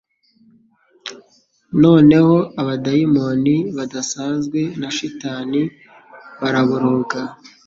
Noneho abadayimoni badasanzwe na shitani baraboroga